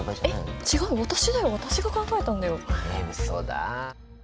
えうそだ！